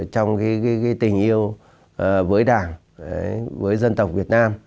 trong tình yêu với đảng với dân tộc việt nam